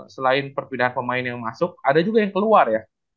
selain perpindahan pemain yang masuk ada juga yang keluar ya